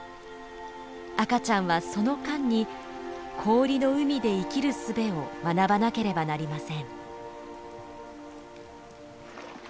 赤ちゃんはその間に氷の海で生きるすべを学ばなければなりません。